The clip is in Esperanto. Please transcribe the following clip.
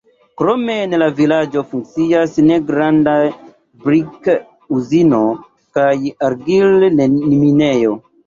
Krome en la vilaĝo funkcias negranda brik-uzino kaj argil-minejo.